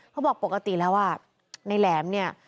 เขาบอกปกติแล้วว่าในแหลมเนี่ย